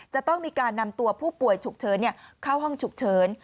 จะต้องมีการนำตัวผู้ป่วยฉุกเฉินเข้าห้องฉุกเฉิน